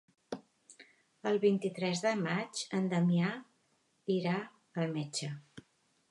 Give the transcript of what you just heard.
El vint-i-tres de maig en Damià irà al metge.